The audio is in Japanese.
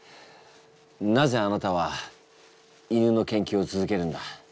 なぜあなたは犬の研究を続けるんだ？